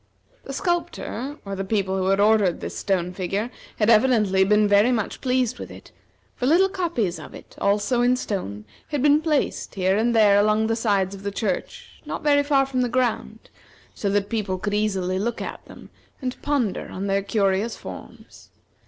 The sculptor, or the people who had ordered this stone figure, had evidently been very much pleased with it, for little copies of it, also in stone, had been placed here and there along the sides of the church, not very far from the ground, so that people could easily look at them, and ponder on their curious forms.